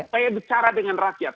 saya bicara dengan rakyat